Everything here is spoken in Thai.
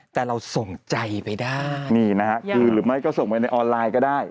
แต่เราส่งใจไปได้นี่นะฮะคือหรือไม่ก็ส่งไว้ในออนไลน์ก็ได้